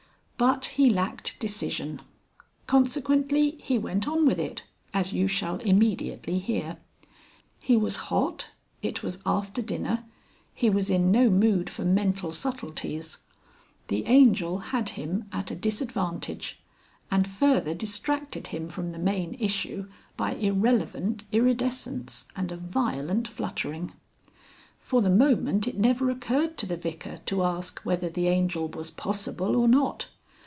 But he lacked decision. Consequently he went on with it, as you shall immediately hear. He was hot, it was after dinner, he was in no mood for mental subtleties. The Angel had him at a disadvantage, and further distracted him from the main issue by irrelevant iridescence and a violent fluttering. For the moment it never occurred to the Vicar to ask whether the Angel was possible or not.